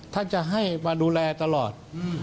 ท่านจะให้มาดูแลตลอด